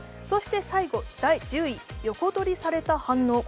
そして最後第１０位、横取りされた反応。